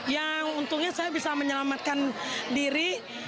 yang untungnya saya bisa menyelamatkan diri